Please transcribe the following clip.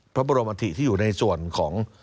พระบรมธิที่อยู่ในส่วนของ